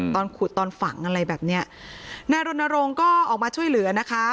ตอนขุดตอนฝังอะไรแบบเนี้ยนายรณรงค์ก็ออกมาช่วยเหลือนะคะ